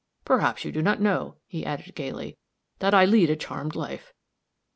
Perhaps you do not know," he added, gayly, "that I lead a charmed life.